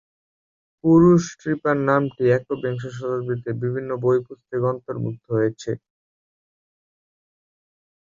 পুরুষ স্ট্রিপার নামটি একবিংশ শতাব্দীতে বিভিন্ন বই পুস্তকে অন্তর্ভুক্ত হয়েছে।